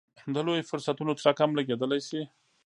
د لویو فرصتونو څرک هم لګېدلی شي.